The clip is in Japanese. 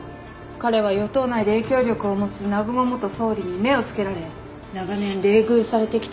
彼は与党内で影響力を持つ南雲元総理に目を付けられ長年冷遇されてきた人物。